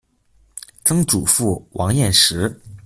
曾祖父王彦实。